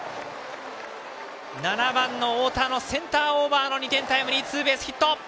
７番の太田のセンターオーバーの２点タイムリーヒット！